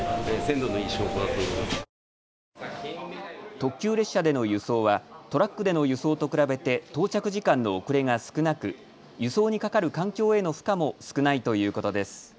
特急列車での輸送はトラックでの輸送と比べて到着時間の遅れが少なく輸送にかかる環境への負荷も少ないということです。